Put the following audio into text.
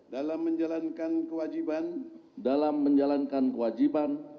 dalam menjalankan kewajiban